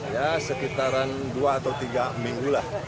ya sekitaran dua atau tiga minggu lah